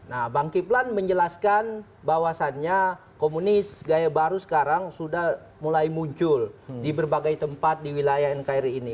nah bang kiplan menjelaskan bahwasannya komunis gaya baru sekarang sudah mulai muncul di berbagai tempat di wilayah nkri ini